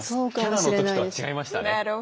伽羅の時とは違いましたね。